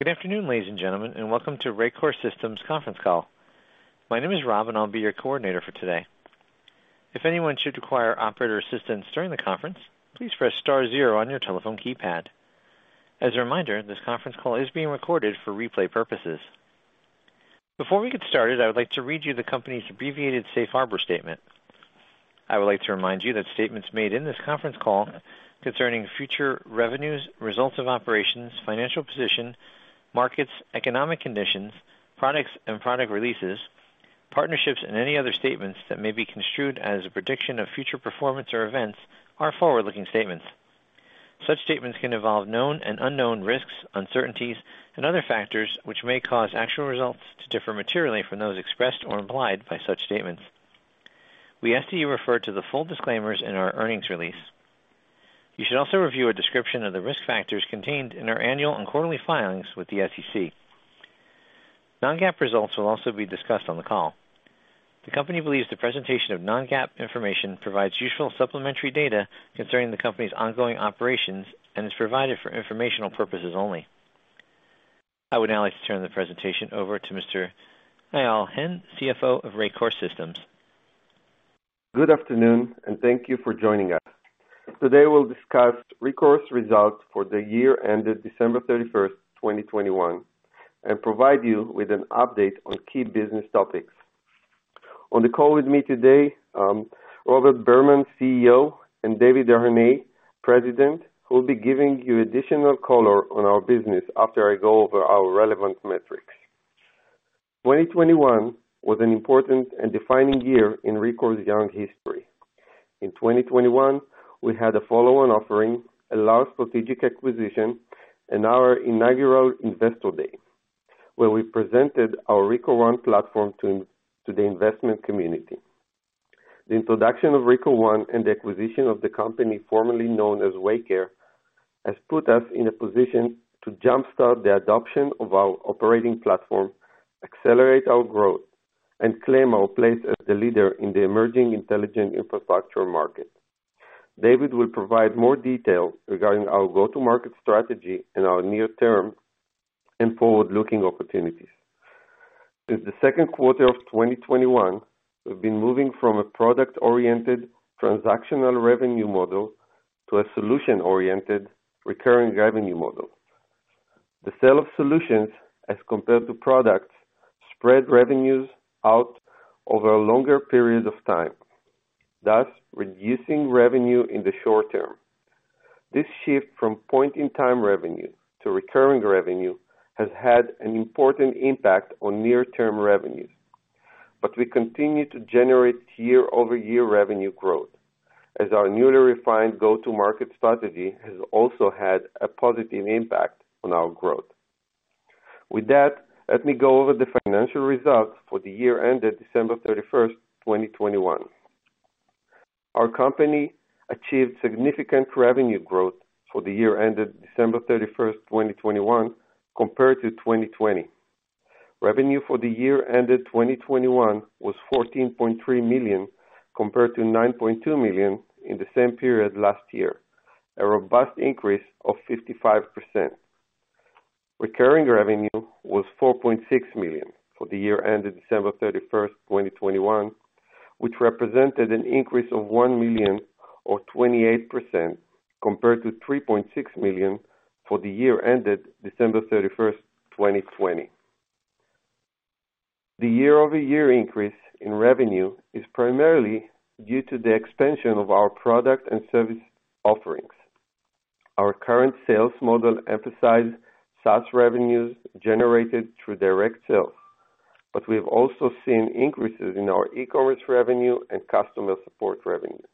Good afternoon, ladies and gentlemen, and welcome to Rekor Systems conference call. My name is Rob, and I'll be your coordinator for today. If anyone should require operator assistance during the conference, please press star zero on your telephone keypad. As a reminder, this conference call is being recorded for replay purposes. Before we get started, I would like to read you the company's abbreviated safe harbor statement. I would like to remind you that statements made in this conference call concerning future revenues, results of operations, financial position, markets, economic conditions, products and product releases, partnerships, and any other statements that may be construed as a prediction of future performance or events are forward-looking statements. Such statements can involve known and unknown risks, uncertainties, and other factors which may cause actual results to differ materially from those expressed or implied by such statements. We ask that you refer to the full disclaimers in our earnings release. You should also review a description of the risk factors contained in our annual and quarterly filings with the SEC. non-GAAP results will also be discussed on the call. The company believes the presentation of non-GAAP information provides useful supplementary data concerning the company's ongoing operations and is provided for informational purposes only. I would now like to turn the presentation over to Mr. Eyal Hen, CFO of Rekor Systems. Good afternoon, and thank you for joining us. Today, we'll discuss Rekor's results for the year ended December 31st, 2021, and provide you with an update on key business topics. On the call with me today, Robert Berman, CEO, and David Desharnais, President, who will be giving you additional color on our business after I go over our relevant metrics. 2021 was an important and defining year in Rekor's young history. In 2021, we had a follow-on offering, a large strategic acquisition, and our inaugural investor day, where we presented our Rekor One platform to the investment community. The introduction of Rekor One and the acquisition of the company formerly known as Waycare has put us in a position to jumpstart the adoption of our operating platform, accelerate our growth, and claim our place as the leader in the emerging intelligent infrastructure market. David will provide more detail regarding our go-to-market strategy and our near-term and forward-looking opportunities. Since the Q2 of 2021, we've been moving from a product-oriented transactional revenue model to a solution-oriented recurring revenue model. The sale of solutions as compared to products spread revenues out over a longer period of time, thus reducing revenue in the short term. This shift from point-in-time revenue to recurring revenue has had an important impact on near-term revenues. We continue to generate year-over-year revenue growth as our newly refined go-to-market strategy has also had a positive impact on our growth. With that, let me go over the financial results for the year ended December 31st, 2021. Our company achieved significant revenue growth for the year ended December 31st, 2021, compared to 2020. Revenue for the year ended 2021 was $14.3 million, compared to $9.2 million in the same period last year, a robust increase of 55%. Recurring revenue was $4.6 million for the year ended December 31st, 2021, which represented an increase of $1 million or 28% compared to $3.6 million for the year ended December 31st, 2020. The year-over-year increase in revenue is primarily due to the expansion of our product and service offerings. Our current sales model emphasize SaaS revenues generated through direct sales, but we have also seen increases in our e-commerce revenue and customer support revenue.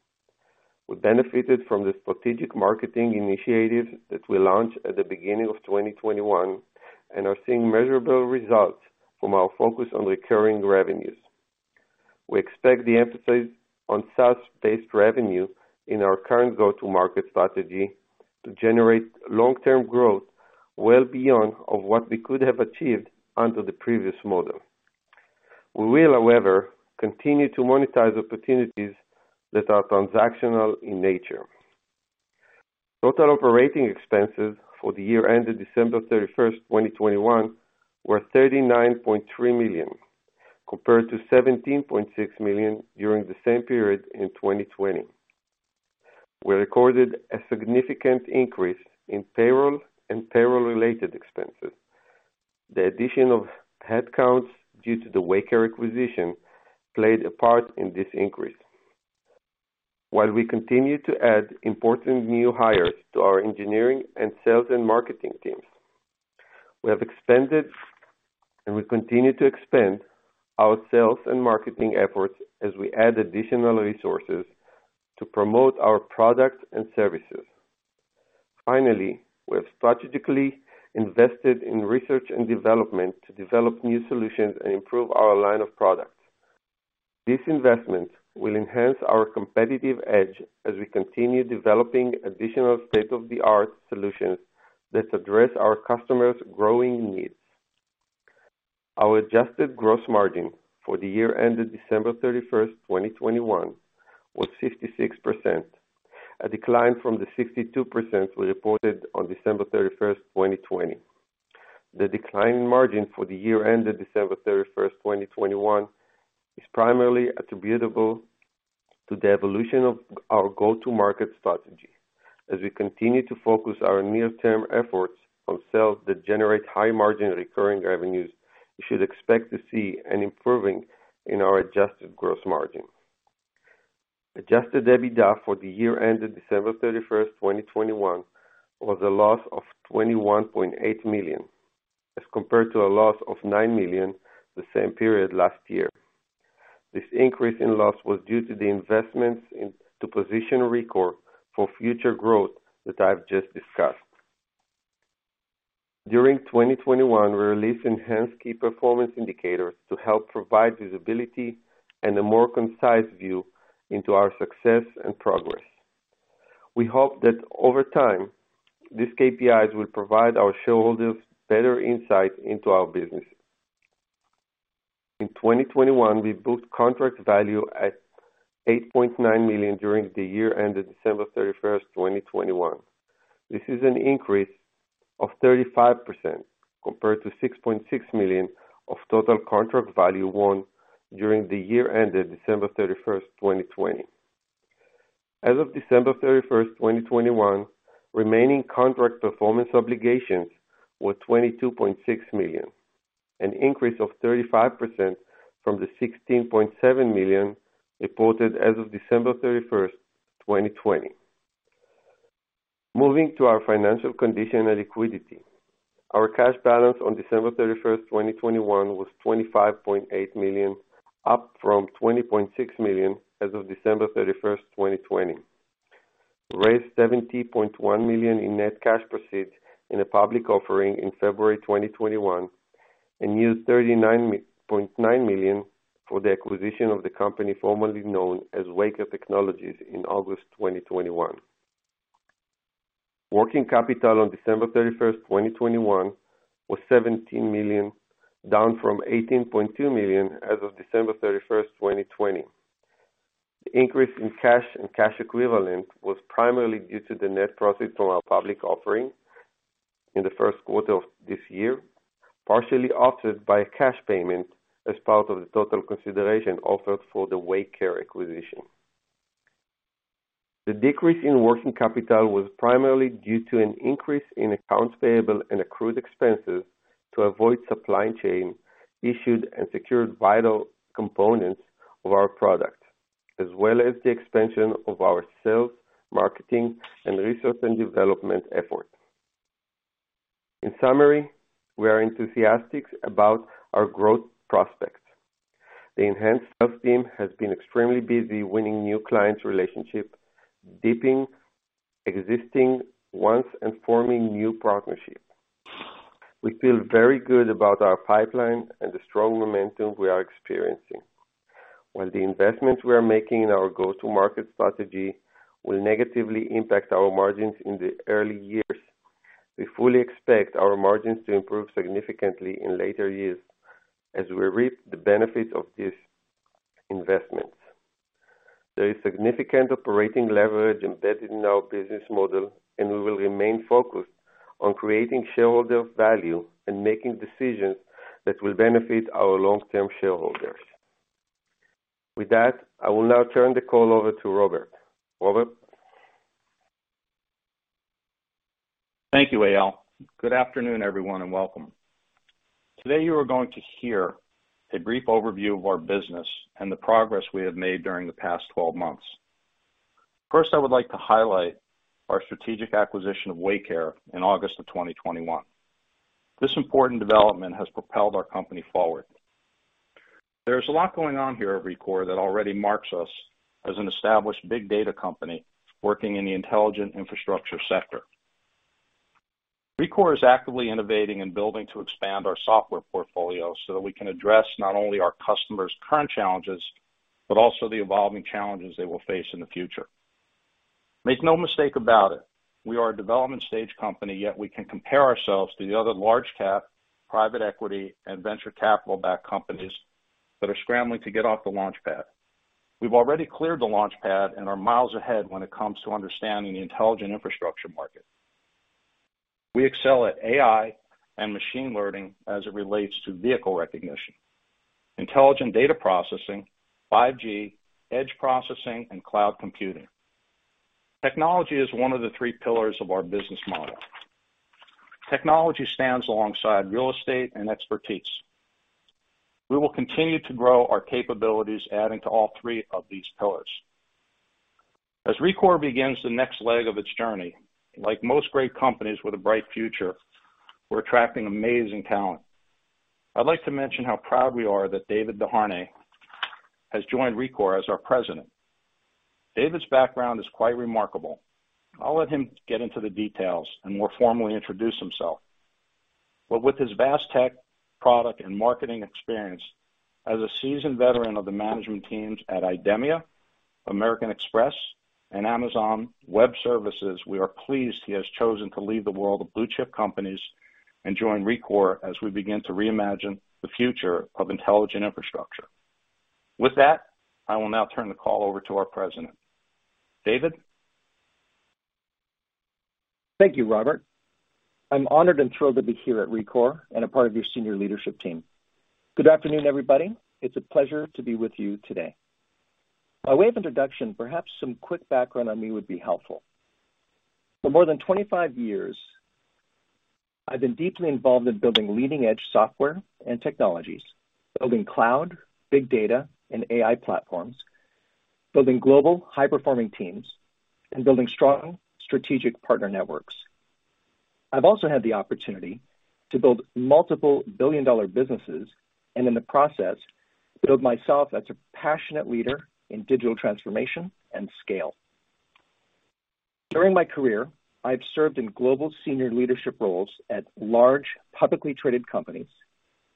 We benefited from the strategic marketing initiatives that we launched at the beginning of 2021 and are seeing measurable results from our focus on recurring revenues. We expect the emphasis on SaaS-based revenue in our current go-to-market strategy to generate long-term growth well beyond of what we could have achieved under the previous model. We will, however, continue to monetize opportunities that are transactional in nature. Total operating expenses for the year ended December 31st, 2021 were $39.3 million, compared to $17.6 million during the same period in 2020. We recorded a significant increase in payroll and payroll-related expenses. The addition of headcounts due to the Waycare acquisition played a part in this increase. While we continue to add important new hires to our engineering and sales and marketing teams, we have expanded and we continue to expand our sales and marketing efforts as we add additional resources to promote our products and services. Finally, we have strategically invested in research and development to develop new solutions and improve our line of products. These investments will enhance our competitive edge as we continue developing additional state-of-the-art solutions that address our customers' growing needs. Our adjusted gross margin for the year ended December 31st, 2021 was 56%, a decline from the 62% we reported on December 31st, 2020. The decline in margin for the year ended December 31st, 2021 is primarily attributable to the evolution of our go-to-market strategy. As we continue to focus our near term efforts on sales that generate high margin recurring revenues, you should expect to see an improving in our adjusted gross margin. Adjusted EBITDA for the year ended December 31st, 2021 was a loss of $21.8 million, as compared to a loss of $9 million the same period last year. This increase in loss was due to the investments into position Rekor for future growth that I've just discussed. During 2021, we released enhanced key performance indicators to help provide visibility and a more concise view into our success and progress. We hope that over time, these KPIs will provide our shareholders better insight into our business. In 2021, we booked contract value at $8.9 million during the year ended December 31st, 2021. This is an increase of 35% compared to $6.6 million of total contract value won during the year ended December 31st, 2020. As of December 31st, 2021, remaining contract performance obligations were $22.6 million, an increase of 35% from the $16.7 million reported as of December 31st, 2020. Moving to our financial condition and liquidity. Our cash balance on December 31st, 2021 was $25.8 million, up from $20.6 million as of December 31st, 2020. We raised $70 million in net cash proceeds in a public offering in February 2021 and used $39.9 million for the acquisition of the company formerly known as Waycare Technologies in August 2021. Working capital on December 31st, 2021 was $17 million, down from $18.2 million as of December 31st, 2020. The increase in cash and cash equivalent was primarily due to the net proceeds from our public offering in the first quarter of this year, partially offset by a cash payment as part of the total consideration offered for the Waycare acquisition. The decrease in working capital was primarily due to an increase in accounts payable and accrued expenses to avoid supply chain issues and secure vital components of our product, as well as the expansion of our sales, marketing, and research and development efforts. In summary, we are enthusiastic about our growth prospects. The enhanced sales team has been extremely busy winning new client relationships, deepening existing ones, and forming new partnerships. We feel very good about our pipeline and the strong momentum we are experiencing. While the investments we are making in our go-to-market strategy will negatively impact our margins in the early years, we fully expect our margins to improve significantly in later years as we reap the benefits of these investments. There is significant operating leverage embedded in our business model, and we will remain focused on creating shareholder value and making decisions that will benefit our long-term shareholders. With that, I will now turn the call over to Robert. Robert? Thank you, Eyal. Good afternoon, everyone, and welcome. Today, you are going to hear a brief overview of our business and the progress we have made during the past twelve months. First, I would like to highlight our strategic acquisition of Waycare in August of 2021. This important development has propelled our company forward. There's a lot going on here at Rekor that already marks us as an established big data company working in the intelligent infrastructure sector. Rekor is actively innovating and building to expand our software portfolio so that we can address not only our customers' current challenges, but also the evolving challenges they will face in the future. Make no mistake about it, we are a development stage company, yet we can compare ourselves to the other large cap, private equity, and venture capital-backed companies that are scrambling to get off the launch pad. We've already cleared the launch pad and are miles ahead when it comes to understanding the intelligent infrastructure market. We excel at AI and machine learning as it relates to vehicle recognition, intelligent data processing, 5G, edge processing, and cloud computing. Technology is one of the three pillars of our business model. Technology stands alongside real estate and expertise. We will continue to grow our capabilities, adding to all three of these pillars. As Rekor begins the next leg of its journey, like most great companies with a bright future, we're attracting amazing talent. I'd like to mention how proud we are that David Desharnais has joined Rekor as our President. David's background is quite remarkable. I'll let him get into the details and more formally introduce himself. With his vast tech product and marketing experience as a seasoned veteran of the management teams at IDEMIA, American Express, and Amazon Web Services, we are pleased he has chosen to leave the world of blue-chip companies and join Rekor as we begin to reimagine the future of intelligent infrastructure. With that, I will now turn the call over to our President. David. Thank you, Robert. I'm honored and thrilled to be here at Rekor and a part of your senior leadership team. Good afternoon, everybody. It's a pleasure to be with you today. By way of introduction, perhaps some quick background on me would be helpful. For more than 25 years, I've been deeply involved in building leading-edge software and technologies, building cloud, big data, and AI platforms, building global high-performing teams, and building strong strategic partner networks. I've also had the opportunity to build multiple billion-dollar businesses and in the process, build myself as a passionate leader in digital transformation and scale. During my career, I have served in global senior leadership roles at large, publicly traded companies,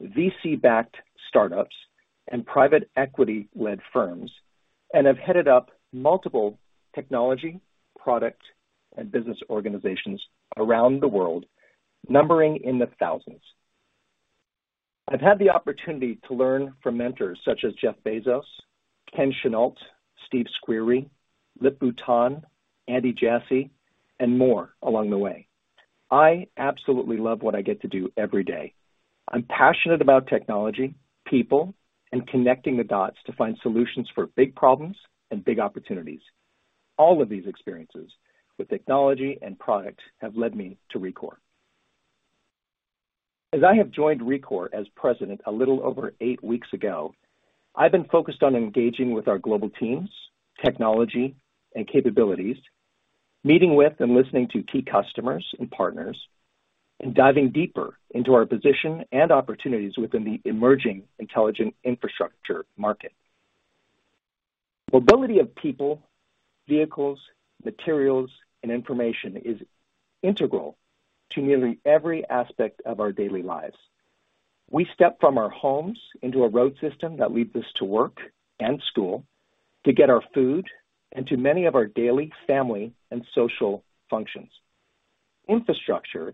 VC-backed startups, and private equity-led firms, and have headed up multiple technology, product, and business organizations around the world, numbering in the thousands. I've had the opportunity to learn from mentors such as Jeff Bezos, Ken Chenault, Steve Squeri, Lip-Bu Tan, Andy Jassy, and more along the way. I absolutely love what I get to do every day. I'm passionate about technology, people, and connecting the dots to find solutions for big problems and big opportunities. All of these experiences with technology and product have led me to Rekor. As I have joined Rekor as President a little over eight weeks ago, I've been focused on engaging with our global teams, technology and capabilities, meeting with and listening to key customers and partners, and diving deeper into our position and opportunities within the emerging intelligent infrastructure market. Mobility of people, vehicles, materials, and information is integral to nearly every aspect of our daily lives. We step from our homes into a road system that leads us to work and school, to get our food, and to many of our daily family and social functions. Infrastructure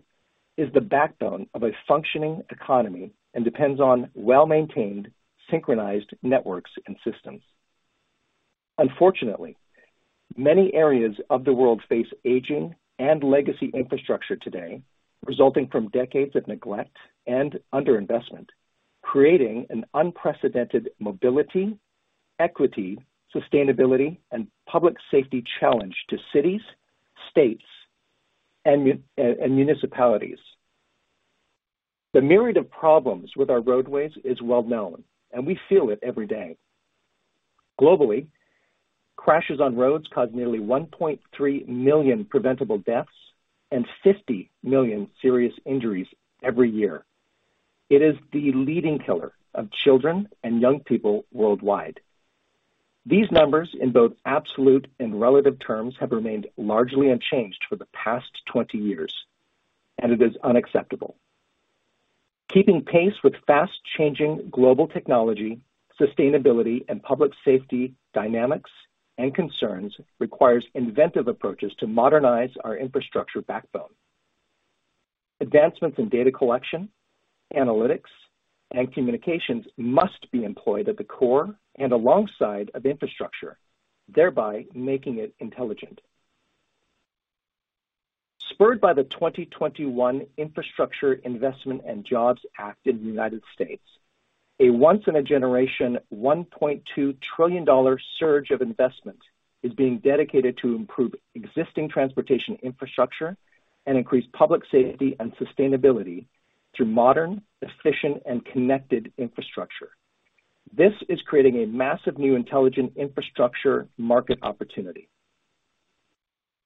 is the backbone of a functioning economy and depends on well-maintained, synchronized networks and systems. Unfortunately, many areas of the world face aging and legacy infrastructure today, resulting from decades of neglect and underinvestment, creating an unprecedented mobility, equity, sustainability, and public safety challenge to cities, states, and municipalities. The myriad of problems with our roadways is well-known, and we feel it every day. Globally, crashes on roads cause nearly 1.3 million preventable deaths and 50 million serious injuries every year. It is the leading killer of children and young people worldwide. These numbers, in both absolute and relative terms, have remained largely unchanged for the past 20 years, and it is unacceptable. Keeping pace with fast-changing global technology, sustainability, and public safety dynamics and concerns requires inventive approaches to modernize our infrastructure backbone. Advancements in data collection, analytics, and communications must be employed at the core and alongside of infrastructure, thereby making it intelligent. Spurred by the 2021 Infrastructure Investment and Jobs Act in the United States, a once-in-a-generation $1.2 trillion surge of investment is being dedicated to improve existing transportation infrastructure and increase public safety and sustainability through modern, efficient, and connected infrastructure. This is creating a massive new intelligent infrastructure market opportunity.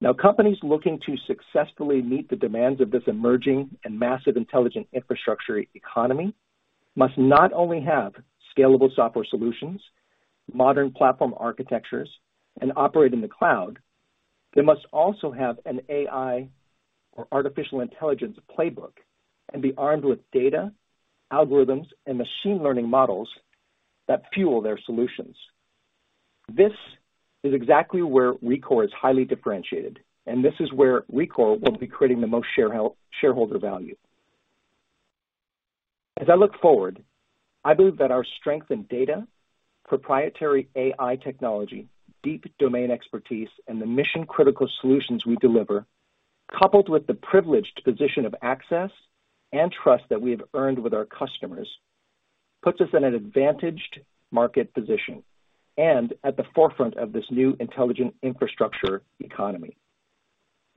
Now companies looking to successfully meet the demands of this emerging and massive intelligent infrastructure economy must not only have scalable software solutions, modern platform architectures, and operate in the cloud, they must also have an AI or artificial intelligence playbook and be armed with data, algorithms, and machine learning models that fuel their solutions. This is exactly where Rekor is highly differentiated, and this is where Rekor will be creating the most shareholder value. As I look forward, I believe that our strength in data, proprietary AI technology, deep domain expertise, and the mission-critical solutions we deliver, coupled with the privileged position of access and trust that we have earned with our customers, puts us in an advantaged market position and at the forefront of this new intelligent infrastructure economy.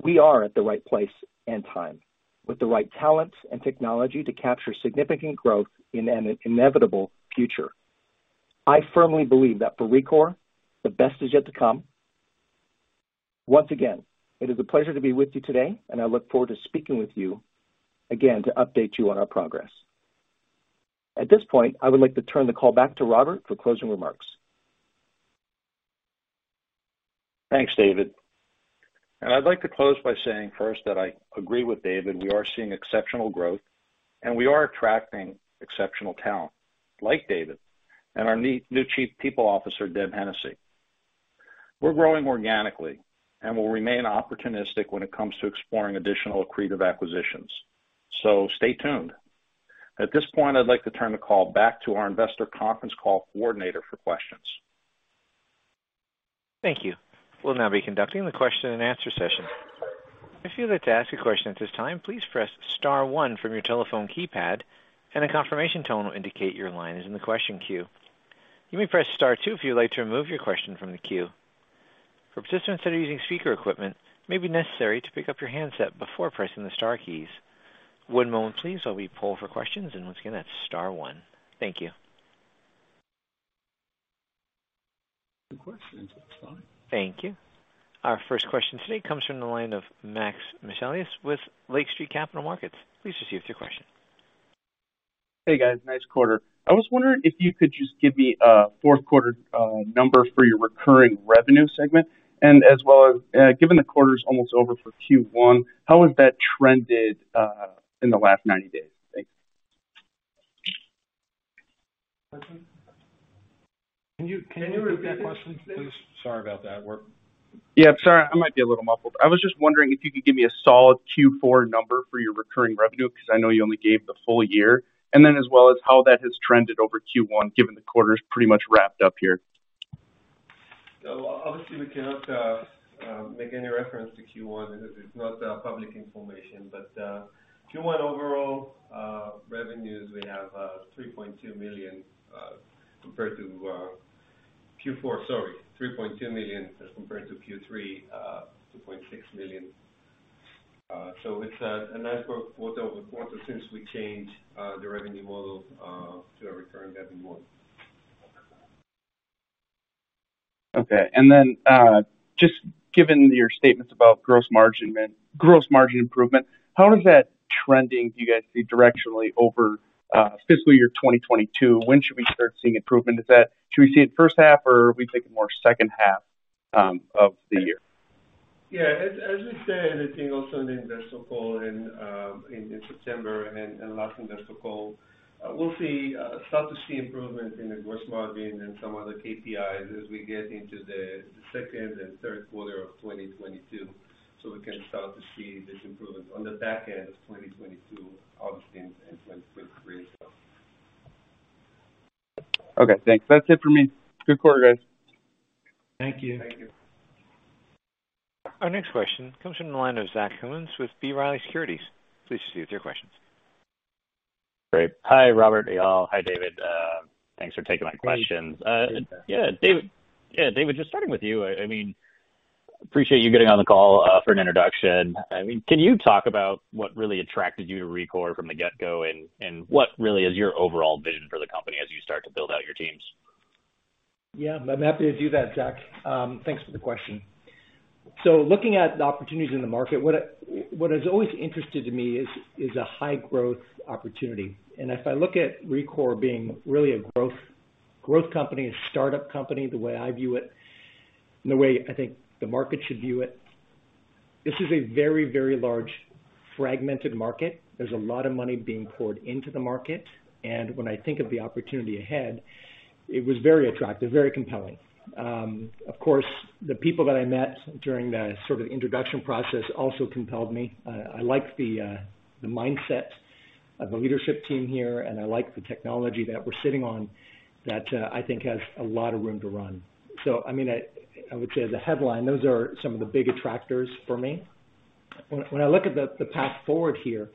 We are at the right place and time, with the right talents and technology to capture significant growth in an inevitable future. I firmly believe that for Rekor, the best is yet to come. Once again, it is a pleasure to be with you today, and I look forward to speaking with you again to update you on our progress. At this point, I would like to turn the call back to Robert for closing remarks. Thanks, David. I'd like to close by saying first that I agree with David. We are seeing exceptional growth, and we are attracting exceptional talent like David and our new Chief People Officer, Deb Hennessey. We're growing organically, and we'll remain opportunistic when it comes to exploring additional accretive acquisitions, so stay tuned. At this point, I'd like to turn the call back to our investor conference call coordinator for questions. Thank you. We'll now be conducting the question and answer session. If you'd like to ask a question at this time, please press star one from your telephone keypad, and a confirmation tone will indicate your line is in the question queue. You may press star two if you'd like to remove your question from the queue. For participants that are using speaker equipment, it may be necessary to pick up your handset before pressing the star keys. One moment please, while we poll for questions, and once again, that's star one. Thank you. Questions at this time. Thank you. Our first question today comes from the line of Max Michaelis with Lake Street Capital Markets. Please proceed with your question. Hey, guys, nice quarter. I was wondering if you could just give me a Q4 number for your recurring revenue segment and as well as, given the quarter's almost over for Q1, how has that trended in the last 90 days? Thanks. Can you repeat that question, please? Sorry about that. Yeah, sorry, I might be a little muffled. I was just wondering if you could give me a solid Q4 number for your recurring revenue, 'cause I know you only gave the full year, and then as well as how that has trended over Q1, given the quarter's pretty much wrapped up here? Obviously, we cannot make any reference to Q1, and it is not public information. Q1 overall revenues, we have $3.2 million as compared to Q3 $2.6 million. It's a nice growth quarter-over-quarter since we changed the revenue model to a recurring revenue model. Okay. Just given your statements about gross margin improvement, how is that trending, do you guys see directionally over fiscal year 2022? When should we start seeing improvement? Should we see it first half or are we thinking more H2 of the year? Yeah. As we said, I think also in the investor call in September and last investor call, we'll start to see improvement in the gross margin and some other KPIs as we get into the second and Q3 of 2022. We can start to see this improvement on the back end of 2022, obviously, and in 2023 as well. Okay, thanks. That's it for me. Good quarter, guys. Thank you. Thank you. Our next question comes from the line of Zach Cummins with B. Riley Securities. Please proceed with your questions. Great. Hi, Robert, Eyal. Hi, David. Thanks for taking my questions. Hey. Yeah. David, just starting with you. I mean, I appreciate you getting on the call for an introduction. I mean, can you talk about what really attracted you to Rekor from the get-go, and what really is your overall vision for the company as you start to build out your teams? Yeah, I'm happy to do that, Zach. Thanks for the question. Looking at the opportunities in the market, what has always interested me is a high growth opportunity. If I look at Rekor being really a growth company, a startup company, the way I view it, and the way I think the market should view it, this is a very large fragmented market. There's a lot of money being poured into the market. When I think of the opportunity ahead, it was very attractive, very compelling. Of course, the people that I met during the sort of introduction process also compelled me. I like the mindset of the leadership team here, and I like the technology that we're sitting on that I think has a lot of room to run. I mean, I would say as a headline, those are some of the big attractors for me. When I look at the path forward here,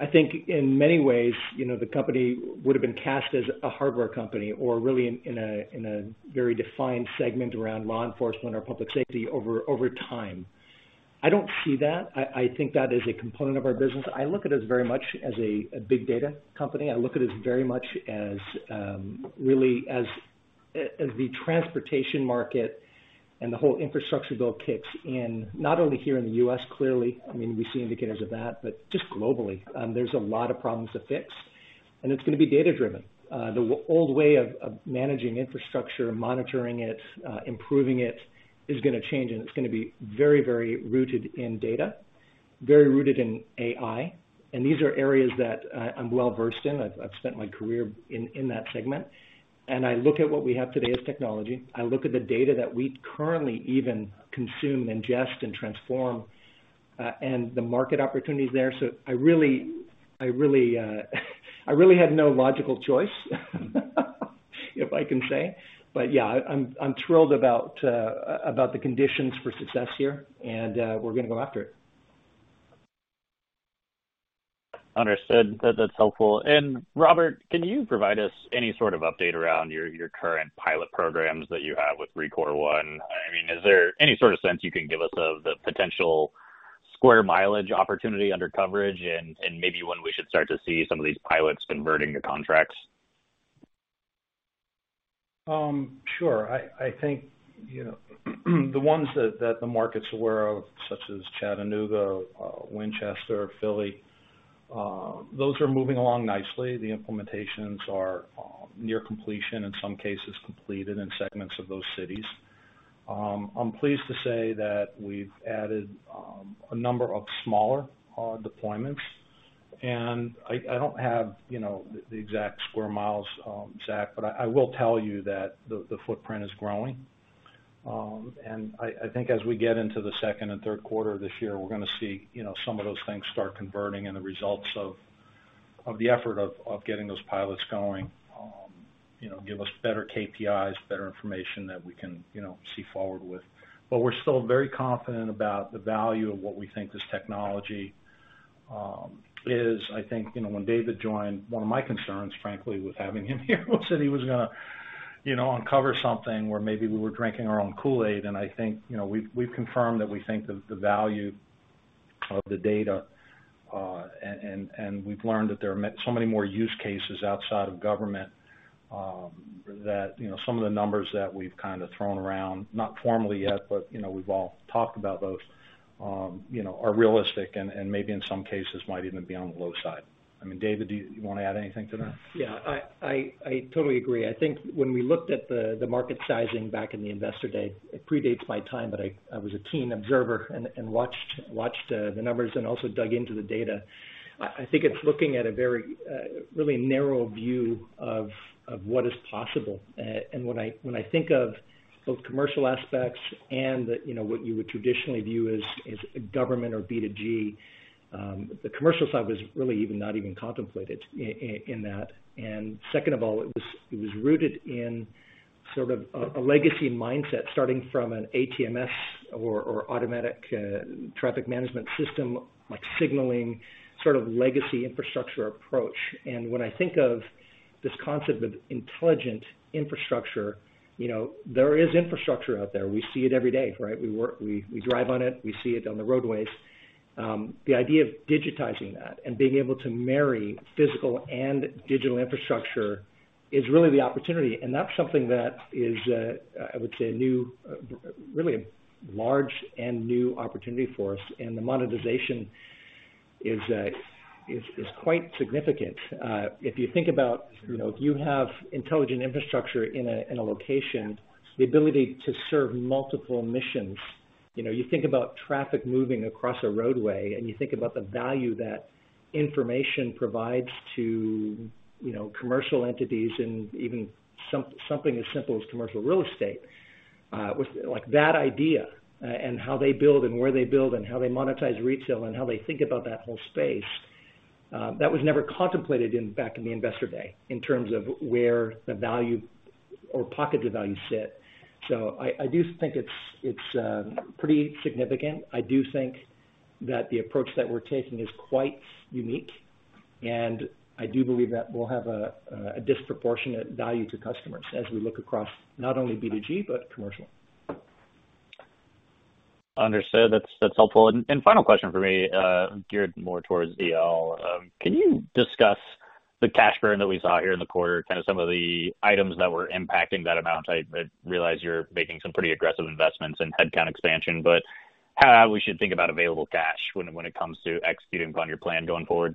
I think in many ways, you know, the company would have been cast as a hardware company or really in a very defined segment around law enforcement or public safety over time. I don't see that. I think that is a component of our business. I look at us very much as a big data company. I look at us very much as really as the transportation market and the whole infrastructure bill kicks in, not only here in the U.S., clearly, I mean, we see indicators of that, but just globally. There's a lot of problems to fix, and it's gonna be data-driven. The old way of managing infrastructure, monitoring it, improving it, is gonna change, and it's gonna be very rooted in data, very rooted in AI. These are areas that I'm well-versed in. I've spent my career in that segment. I look at what we have today as technology. I look at the data that we currently even consume, ingest, and transform, and the market opportunities there. I really had no logical choice, if I can say. Yeah, I'm thrilled about the conditions for success here and we're gonna go after it. Understood. That's helpful. Robert, can you provide us any sort of update around your current pilot programs that you have with Rekor One? I mean, is there any sort of sense you can give us of the potential square mileage opportunity under coverage and maybe when we should start to see some of these pilots converting to contracts? Sure. I think, you know, the ones that the market's aware of, such as Chattanooga, Winchester, Philly. Those are moving along nicely. The implementations are near completion, in some cases completed in segments of those cities. I'm pleased to say that we've added a number of smaller deployments. I don't have, you know, the exact square miles, Zach, but I will tell you that the footprint is growing. I think as we get into the second and Q3 this year, we're gonna see, you know, some of those things start converting and the results of the effort of getting those pilots going, you know, give us better KPIs, better information that we can, you know, see forward with. We're still very confident about the value of what we think this technology is. I think, you know, when David joined, one of my concerns, frankly, with having him here was that he was gonna, you know, uncover something where maybe we were drinking our own Kool-Aid. I think, you know, we've confirmed that we think that the value of the data, and we've learned that there are so many more use cases outside of government, that, you know, some of the numbers that we've kinda thrown around, not formally yet, but, you know, we've all talked about those, you know, are realistic and maybe in some cases might even be on the low side. I mean, David, do you wanna add anything to that? Yeah. I totally agree. I think when we looked at the market sizing back in the investor day, it predates my time, but I was a keen observer and watched the numbers and also dug into the data. I think it's looking at a very really narrow view of what is possible. When I think of both commercial aspects and the, you know, what you would traditionally view as government or B2G, the commercial side was really even not even contemplated in that. Second of all, it was rooted in sort of a legacy mindset, starting from an ATMS or automatic traffic management system, like signaling sort of legacy infrastructure approach. When I think of this concept of intelligent infrastructure, you know, there is infrastructure out there. We see it every day, right? We drive on it, we see it on the roadways. The idea of digitizing that and being able to marry physical and digital infrastructure is really the opportunity. That's something that is, I would say, a new, really a large and new opportunity for us, and the monetization is quite significant. If you think about, you know, if you have intelligent infrastructure in a location, the ability to serve multiple missions. You know, you think about traffic moving across a roadway, and you think about the value that information provides to, you know, commercial entities and even something as simple as commercial real estate, with like that idea, and how they build and where they build and how they monetize retail and how they think about that whole space, that was never contemplated back in the investor day in terms of where the value or pockets of value sit. I do think it's pretty significant. I do think that the approach that we're taking is quite unique, and I do believe that we'll have a disproportionate value to customers as we look across not only B2G, but commercial. Understood. That's helpful. Final question for me, geared more towards Eyal. Can you discuss the cash burn that we saw here in the quarter, kind of some of the items that were impacting that amount? I realize you're making some pretty aggressive investments in headcount expansion. How we should think about available cash when it comes to executing upon your plan going forward?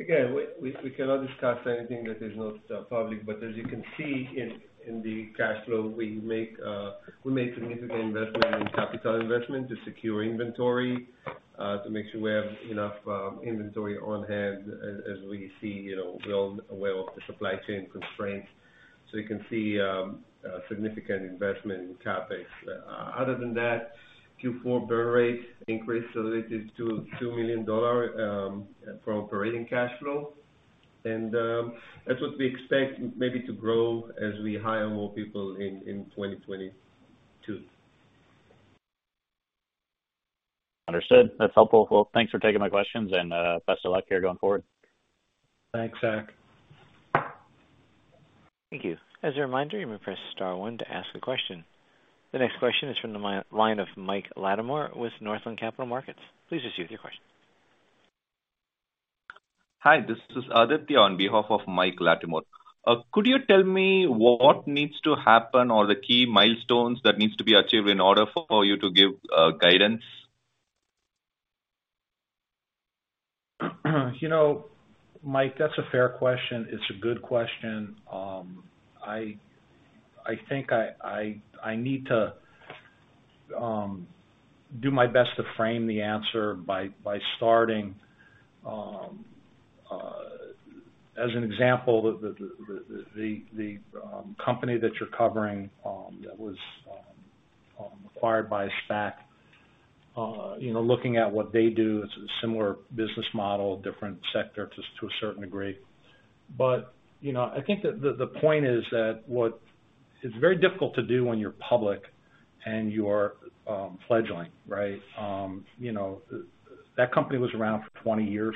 Again, we cannot discuss anything that is not public. As you can see in the cash flow, we make significant investment in capital investment to secure inventory to make sure we have enough inventory on hand as we see, you know, we're well aware of the supply chain constraints. You can see significant investment in CapEx. Other than that, Q4 burn rate increased related to $2 million from operating cash flow. That's what we expect maybe to grow as we hire more people in 2022. Understood. That's helpful. Well, thanks for taking my questions, and best of luck here going forward. Thanks, Zach. Thank you. As a reminder, you may press star one to ask a question. The next question is from the line of Mike Latimore with Northland Capital Markets. Please proceed with your question. Hi, this is Aditya on behalf of Mike Latimore. Could you tell me what needs to happen or the key milestones that needs to be achieved in order for you to give guidance? You know, Mike, that's a fair question. It's a good question. I think I need to do my best to frame the answer by starting as an example, the company that you're covering that was acquired by a SPAC. You know, looking at what they do, it's a similar business model, different sector to a certain degree. I think the point is that what it's very difficult to do when you're public and you're fledgling, right? You know, that company was around for 20 years.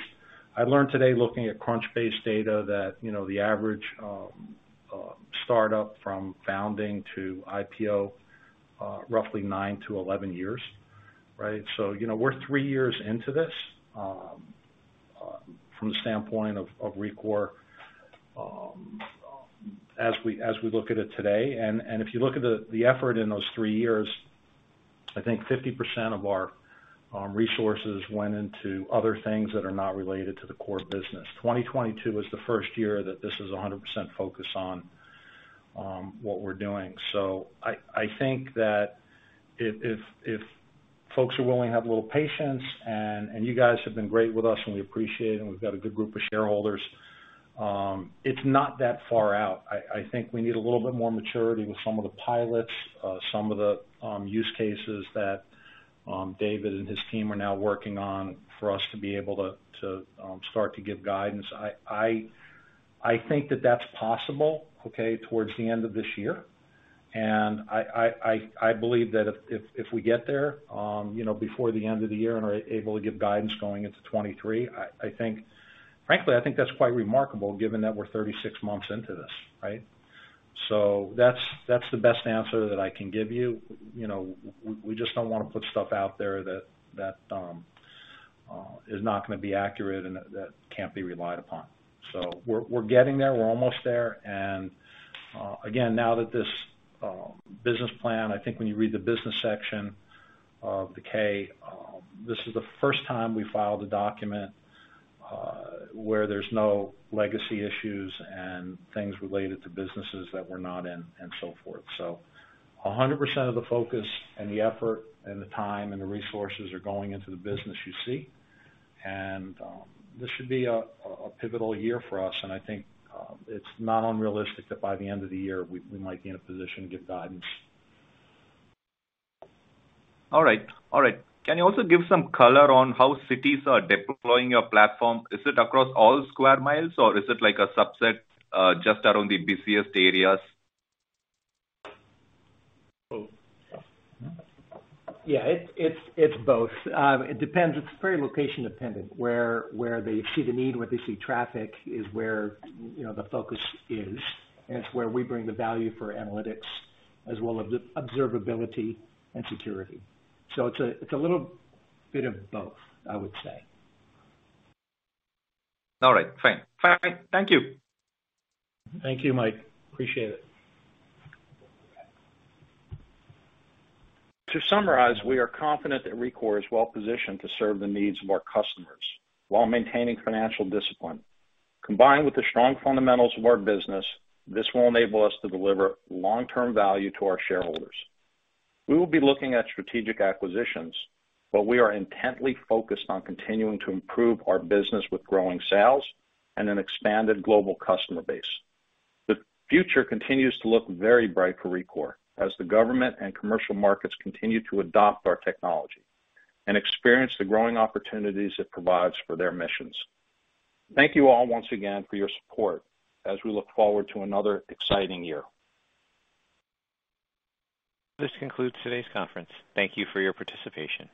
I learned today looking at Crunchbase data that, you know, the average startup from founding to IPO roughly nine to 11 years, right? You know, we're three years into this. From the standpoint of Rekor, as we look at it today, and if you look at the effort in those three years, I think 50% of our resources went into other things that are not related to the core business. 2022 is the first year that this is a 100% focus on what we're doing. I think that if folks are willing to have a little patience, and you guys have been great with us, and we appreciate it, and we've got a good group of shareholders, it's not that far out. I think we need a little bit more maturity with some of the pilots, some of the use cases that David and his team are now working on for us to be able to start to give guidance. I think that's possible, okay, towards the end of this year. I believe that if we get there, you know, before the end of the year and are able to give guidance going into 2023, I think frankly that's quite remarkable given that we're 36 months into this, right. That's the best answer that I can give you. You know, we just don't wanna put stuff out there that is not gonna be accurate and that can't be relied upon. We're getting there. We're almost there. Again, now that this business plan, I think when you read the business section of the K, this is the first time we filed a document, where there's no legacy issues and things related to businesses that we're not in, and so forth. 100% of the focus and the effort and the time and the resources are going into the business you see. This should be a pivotal year for us. I think, it's not unrealistic that by the end of the year we might be in a position to give guidance. All right. Can you also give some color on how cities are deploying your platform? Is it across all square miles or is it like a subset, just around the busiest areas? Both. Yeah. It's both. It depends. It's very location dependent, where they see the need, where they see traffic is where, you know, the focus is, and it's where we bring the value for analytics as well as the observability and security. It's a little bit of both, I would say. All right. Fine. Thank you. Thank you, Mike. Appreciate it. To summarize, we are confident that Rekor is well positioned to serve the needs of our customers while maintaining financial discipline. Combined with the strong fundamentals of our business, this will enable us to deliver long-term value to our shareholders. We will be looking at strategic acquisitions, but we are intently focused on continuing to improve our business with growing sales and an expanded global customer base. The future continues to look very bright for Rekor as the government and commercial markets continue to adopt our technology and experience the growing opportunities it provides for their missions. Thank you all once again for your support as we look forward to another exciting year. This concludes today's conference. Thank you for your participation.